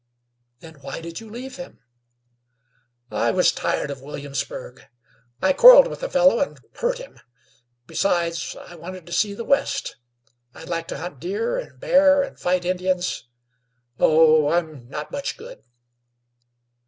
"Then, why did you leave him?" "I was tired of Williamsburg I quarreled with a fellow, and hurt him. Besides, I wanted to see the West; I'd like to hunt deer and bear and fight Indians. Oh, I'm not much good."